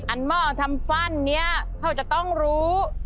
หม้อทำฟั่นนี้เขาจะต้องรู้